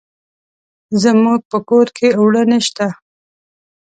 زموږ په کور کې اوړه نشته.